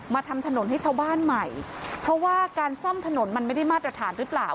ทำถนนให้ชาวบ้านใหม่เพราะว่าการซ่อมถนนมันไม่ได้มาตรฐานหรือเปล่า